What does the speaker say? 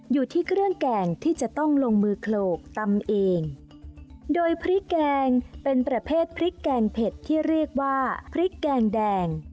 อยู่ที่เครื่องแกงที่จะต้องลงมือโขลกตำเองโดยพริกแกงเป็นประเภทพริกแกงเผ็ดที่เรียกว่าพริกแกงแดง